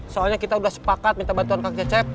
soalnya kita sudah sepakat minta bantuan kak cecep